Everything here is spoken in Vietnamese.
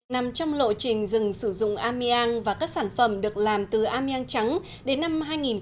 nằm trong lộ trình dừng sử dụng amiang và các sản phẩm được làm từ amiang trắng đến năm hai nghìn hai mươi ba